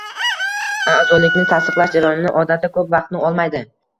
A’zolikni tasdiqlash jarayoni odatda ko’p vaqtni olmaydi